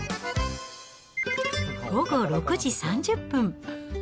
午後６時３０分。